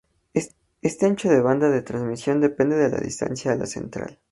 Este ancho de banda de transmisión depende de la distancia a la central.